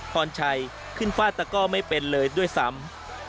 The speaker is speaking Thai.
พรชัยขึ้นฟาดตะก้อไม่เป็นเลยด้วยซ้ำ